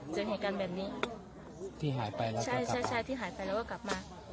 จะเห็นการแบบนี้ที่หายไปแล้วก็กลับมา